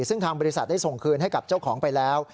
ซึ่งทางบริษัทได้ส่งคืนให้กับเจ้าของไปแล้ว